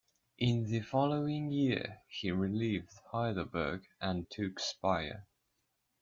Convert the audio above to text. In the following year, he relieved Heidelberg and took Speyer.